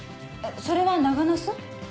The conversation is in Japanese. それは長ナス？